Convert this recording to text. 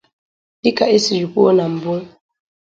dịka e siri kwuo na mbụ.